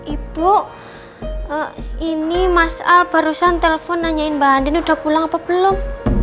ibu ini mas al barusan telepon nanyain mbak andin udah pulang apa belum